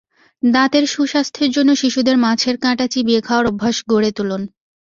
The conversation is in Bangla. দাঁতের সুস্বাস্থ্যের জন্য শিশুদের মাছের কাঁটা চিবিয়ে খাওয়ার অভ্যাস গড়ে তুলুন।